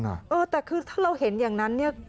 แต่คือถ้าเราเห็นอย่างนั้น